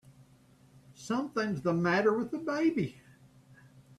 Something's the matter with the baby!